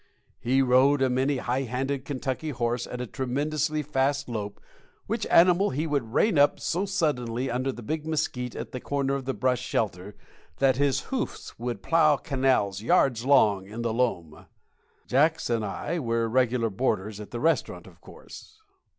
He rode a many high handed Kentucky horse at a tremendously fast lope, which animal he would rein up so suddenly under the big mesquite at the corner of the brush shelter that his hoofs would plough canals yards long in the loam. Jacks and I were regular boarders at the restaurant, of course.